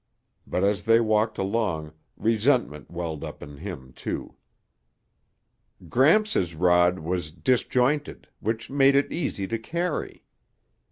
But as they walked along, resentment welled up in him, too. Gramps' rod was disjointed, which made it easy to carry.